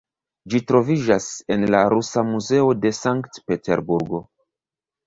Ĝi troviĝas en la Rusa Muzeo de Sankt-Peterburgo.